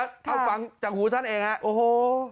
เอาฟังจากหูท่านเองฮะโอ้โห